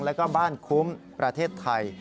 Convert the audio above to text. แล้วก็บ้านคุ้มประเทศไทย